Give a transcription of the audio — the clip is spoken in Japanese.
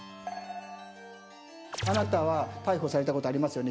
「あなたは逮捕されたことありますよね」